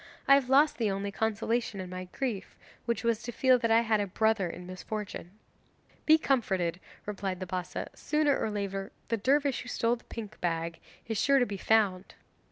I have lost the only consolation in my grief, which was to feel that I had a brother in misfortune!' 'Be comforted,' replied the Bassa; 'sooner or later the dervish who stole the pink bag is sure to be found.